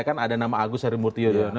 kan ada nama agus harimurti yudhoyono